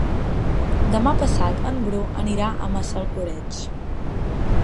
Demà passat en Bru anirà a Massalcoreig.